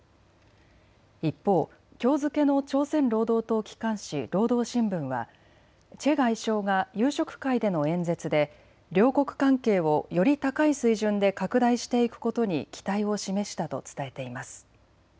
一方、きょう付けの朝鮮労働党機関紙、労働新聞はチェ外相が夕食会での演説で両国関係をより高い水準で拡大していくことに期待を示したと伝えています。